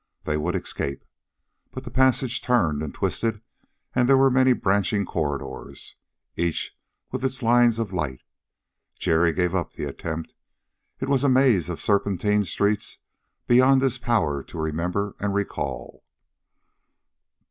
They would escape.... But the passage turned and twisted; there were many branching corridors, each with its lines of light. Jerry gave up the attempt. It was a maze of serpentine streets beyond his power to remember and recall.